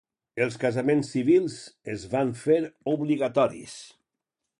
Els casaments civils es van fer obligatoris.